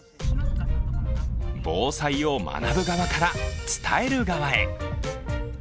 防災を学ぶ側から伝える側へ。